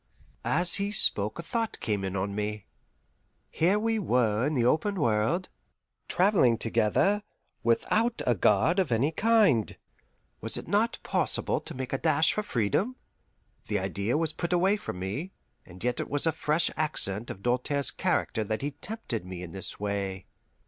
As he spoke a thought came in on me. Here we were in the open world, travelling together, without a guard of any kind. Was it not possible to make a dash for freedom? The idea was put away from me, and yet it was a fresh accent of Doltaire's character that he tempted me in this way.